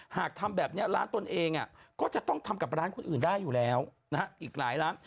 หากทำแบบนี้ร้านตนเองก็จะต้องทำกับร้านคนอื่นได้อยู่แล้วอีกหลายร้าน